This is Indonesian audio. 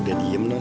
sudah diem non